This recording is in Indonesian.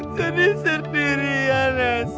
sedih sendirian ustaz